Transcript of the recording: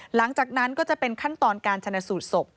หลังจากนั้นก็จะเป็นขั้นตอนการชนะสูตรศพ